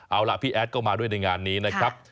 เอาล่ะพี่แอดก็มาด้วยในงานนี้นะครับ